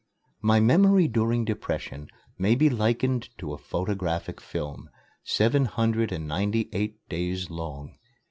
My memory during depression may be likened to a photographic film, seven hundred and ninety eight days long.